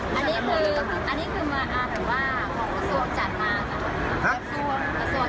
กระทรวงปกติกระทรวง